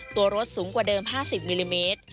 ตัวรถสูงกว่าเดิม๕๐มิลลิเมตร